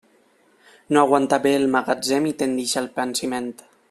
No aguanta bé el magatzem i tendeix al pansiment.